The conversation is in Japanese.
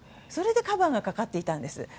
それでカバーがかかっていたんです。